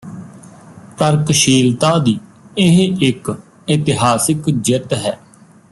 ਤਰਕਸ਼ੀਲਤਾ ਦੀ ਇਹ ਇੱਕ ਇਤਿਹਾਸਕ ਜਿੱਤ ਹੈ